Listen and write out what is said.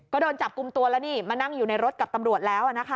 ก็โดนจับกลุ่มตัวแล้วนี่มานั่งอยู่ในรถกับตำรวจแล้วนะคะ